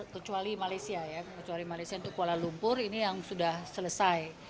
kecuali malaysia ya kecuali malaysia untuk kuala lumpur ini yang sudah selesai